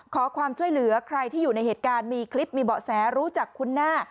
ขอความช่วยเหลือใครที่อยู่ในเหตุการณ์มีคลิปมีเบาะแสรู้จักคุ้นหน้า